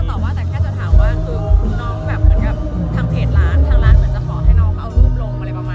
คุณยังคิดเรื่องหน้าตากันอยู่เนอะแล้วก็รู้สึกว่าที่ผ่านมา